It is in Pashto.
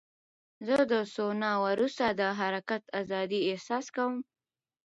زه د سونا وروسته د حرکت ازادۍ احساس کوم.